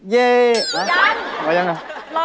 เย่ยันหรือเปล่ายังล่ะ